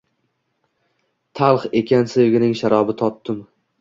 Talx ekan sevgining sharobi, totdim